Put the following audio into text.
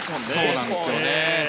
そうなんですよね。